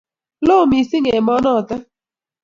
Lo missing' emo notok